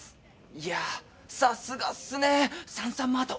いやあさすがっすねサンサンマート！